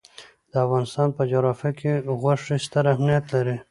د افغانستان په جغرافیه کې غوښې ستر اهمیت لري.